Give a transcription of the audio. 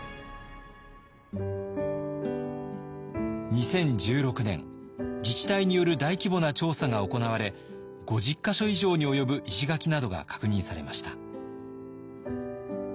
２０１６年自治体による大規模な調査が行われ５０か所以上に及ぶ石垣などが確認されました。